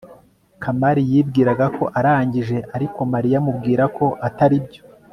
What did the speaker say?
kamali yibwiraga ko arangije, ariko mariya amubwira ko atari byo